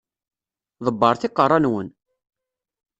Ḍebbret iqeṛṛa-nwen!